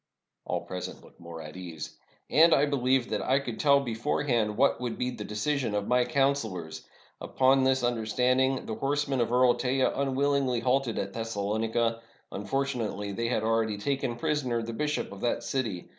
All present looked more at ease. "And I believed that I could tell beforehand what would be the decision of my counselors. Upon this S55 ROME understanding, the horsemen of Earl Teja unwillingly halted at Thessalonica ; unfortunately they had already taken prisoner the bishop of that city.